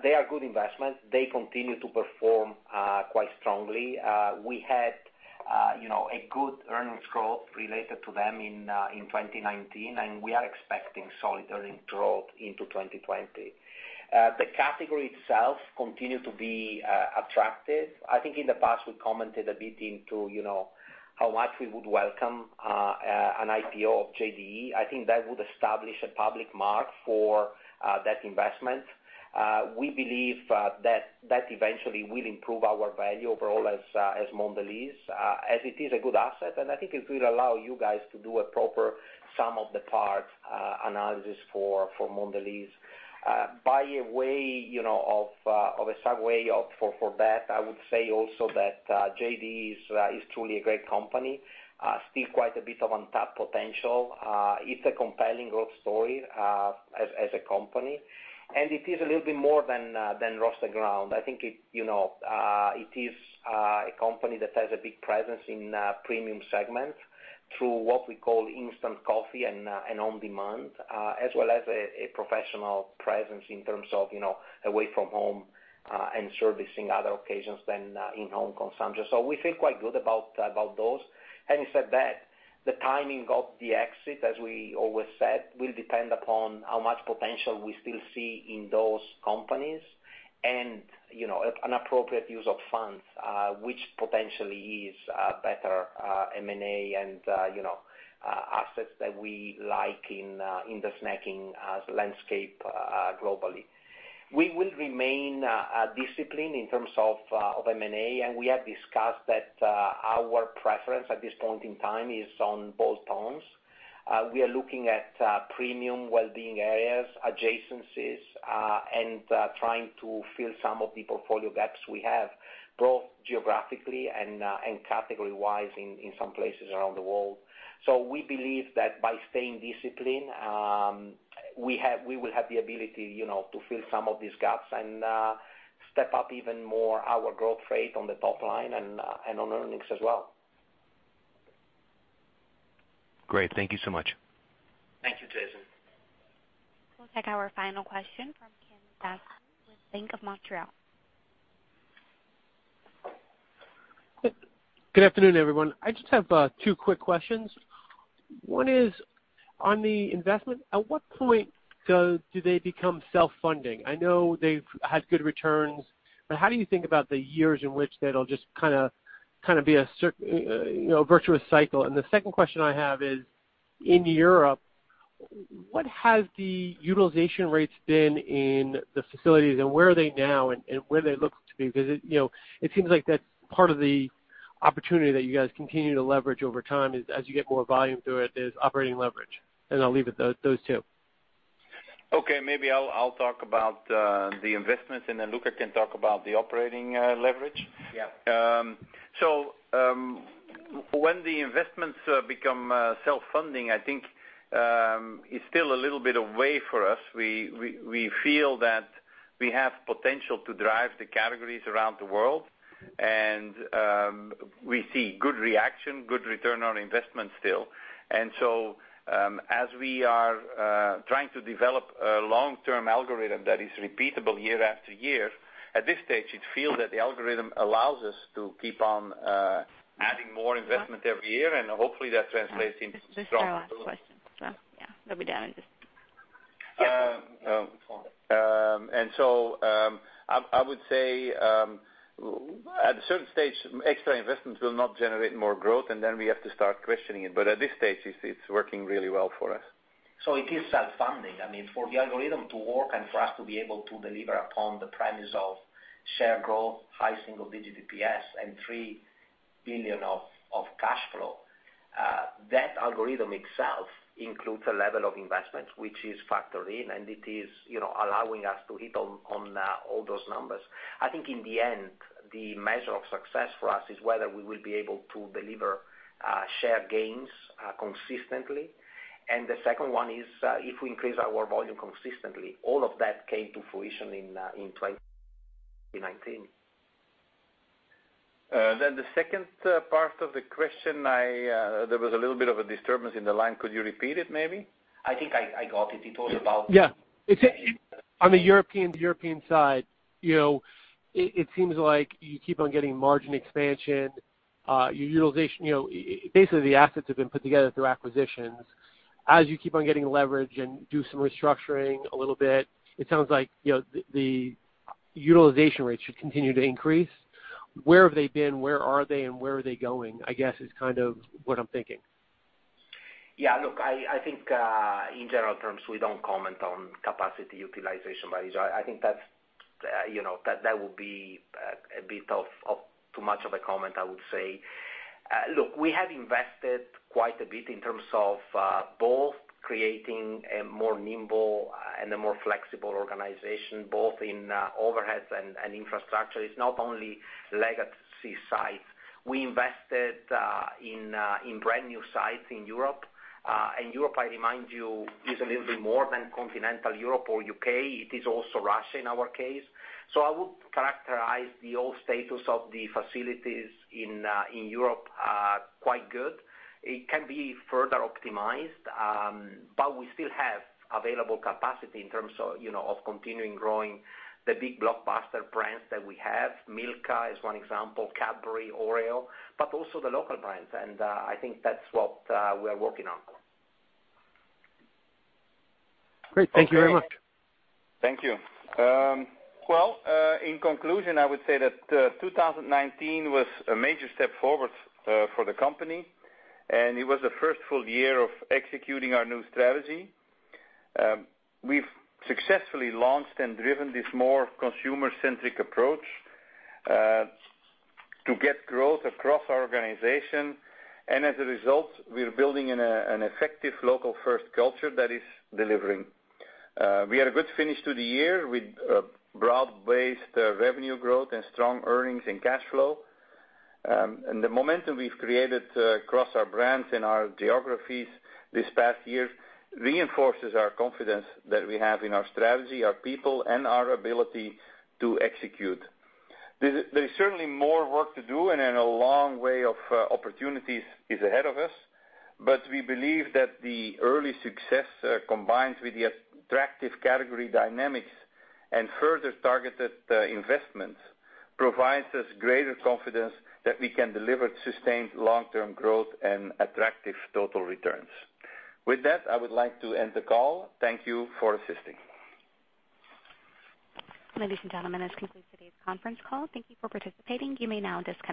They are good investments. They continue to perform quite strongly. We had a good earnings growth related to them in 2019, and we are expecting solid earnings growth into 2020. The category itself continued to be attractive. I think in the past, we commented a bit into how much we would welcome an IPO of JDE. I think that would establish a public mark for that investment. We believe that eventually will improve our value overall as Mondelez, as it is a good asset, and I think it will allow you guys to do a proper sum of the parts analysis for Mondelez. By a way of a segue for that, I would say also that JDE is truly a great company. Still quite a bit of untapped potential. It's a compelling growth story as a company, and it is a little bit more than roasted ground. I think it is a company that has a big presence in premium segment through what we call instant coffee and on-demand, as well as a professional presence in terms of away from home and servicing other occasions than in-home consumption. We feel quite good about those. Having said that, the timing of the exit, as we always said, will depend upon how much potential we still see in those companies and an appropriate use of funds which potentially is better M&A and assets that we like in the snacking landscape globally. We will remain disciplined in terms of M&A, and we have discussed that our preference at this point in time is on bolt-ons. We are looking at premium wellbeing areas, adjacencies, and trying to fill some of the portfolio gaps we have, both geographically and category-wise in some places around the world. We believe that by staying disciplined, we will have the ability to fill some of these gaps and step up even more our growth rate on the top line and on earnings as well. Great. Thank you so much. Thank you, Jason. We'll take our final question from Kenneth Zaslow with Bank of Montreal. Good afternoon, everyone. I just have two quick questions. One is on the investment. At what point do they become self-funding? I know they've had good returns, but how do you think about the years in which that'll just kind of be a virtuous cycle? The second question I have is, in Europe, what has the utilization rates been in the facilities, and where are they now and where do they look to be? Because it seems like that's part of the opportunity that you guys continue to leverage over time as you get more volume through it, is operating leverage. I'll leave it those two. Okay. Maybe I'll talk about the investments, and then Luca can talk about the operating leverage. Yeah. When the investments become self-funding, I think it's still a little bit away for us. We feel that we have potential to drive the categories around the world, and we see good reaction, good return on investment still. As we are trying to develop a long-term algorithm that is repeatable year after year, at this stage, it feels that the algorithm allows us to keep on adding more investment every year, and hopefully that translates into. This is our last question, so yeah. They'll be down in just. I would say, at a certain stage, extra investments will not generate more growth, and then we have to start questioning it. At this stage, it's working really well for us. It is self-funding. I mean, for the algorithm to work and for us to be able to deliver upon the premise of share growth, high single-digit DPS, and $3 billion of cash flow, that algorithm itself includes a level of investment which is factored in, and it is allowing us to hit on all those numbers. I think in the end, the measure of success for us is whether we will be able to deliver share gains consistently. The second one is if we increase our volume consistently. All of that came to fruition in 2019. The second part of the question, there was a little bit of a disturbance in the line. Could you repeat it maybe? I think I got it. On the European side, it seems like you keep on getting margin expansion, basically the assets have been put together through acquisitions. As you keep on getting leverage and do some restructuring a little bit, it sounds like the utilization rate should continue to increase. Where have they been? Where are they? Where are they going, I guess, is kind of what I'm thinking. Yeah, look, I think, in general terms, we don't comment on capacity utilization rates. I think that would be a bit of too much of a comment, I would say. Look, we have invested quite a bit in terms of both creating a more nimble and a more flexible organization, both in overheads and infrastructure. It's not only legacy sites. We invested in brand-new sites in Europe. Europe, I remind you, is a little bit more than continental Europe or U.K. It is also Russia in our case. I would characterize the old status of the facilities in Europe are quite good. It can be further optimized, but we still have available capacity in terms of continuing growing the big blockbuster brands that we have. Milka is one example, Cadbury, Oreo, but also the local brands. I think that's what we're working on. Great. Thank you very much. Okay. Thank you. Well, in conclusion, I would say that 2019 was a major step forward for the company, and it was the first full year of executing our new strategy. We've successfully launched and driven this more consumer-centric approach, to get growth across our organization, and as a result, we're building an effective local-first culture that is delivering. We had a good finish to the year with broad-based revenue growth and strong earnings and cash flow. The momentum we've created across our brands and our geographies this past year reinforces our confidence that we have in our strategy, our people, and our ability to execute. There's certainly more work to do, and a long way of opportunities is ahead of us, but we believe that the early success, combined with the attractive category dynamics and further targeted investments, provides us greater confidence that we can deliver sustained long-term growth and attractive total returns. With that, I would like to end the call. Thank you for assisting. Ladies and gentlemen, this concludes today's conference call. Thank you for participating. You may now disconnect.